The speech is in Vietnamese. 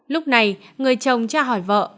lúc này người chồng tra hỏi vợ